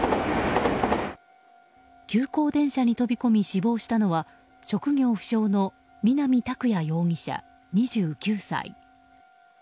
急行電車に飛び込み死亡したのは職業不詳の南拓哉容疑者、２９歳。